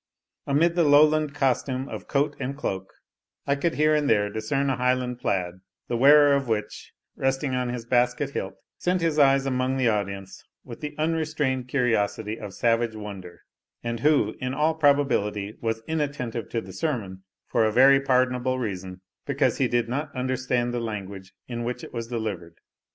Amid the Lowland costume of coat and cloak, I could here and there discern a Highland plaid, the wearer of which, resting on his basket hilt, sent his eyes among the audience with the unrestrained curiosity of savage wonder; and who, in all probability, was inattentive to the sermon for a very pardonable reason because he did not understand the language in which it was delivered.